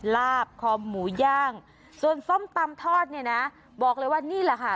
ลาบคอหมูย่างส่วนส้มตำทอดเนี่ยนะบอกเลยว่านี่แหละค่ะ